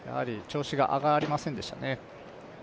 調子が上がりませんでしたね。